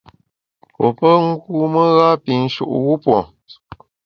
Pue pe ngûme ngâ-yinshu’ wupue.